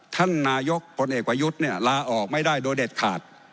ท่านนายกพลเอกประยุทธ์เนี่ยลาออกไม่ได้โดยเด็ดขาด